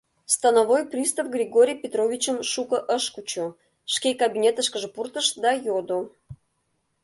Становой пристав Григорий Петровичым шуко ыш кучо, шке кабинетышкыже пуртыш да йодо: